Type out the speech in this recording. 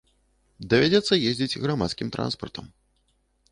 Давядзецца ездзіць грамадскім транспартам.